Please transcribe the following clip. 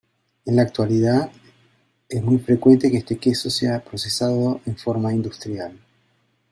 En la actualidad, es muy frecuente que este queso sea procesado en forma industrial.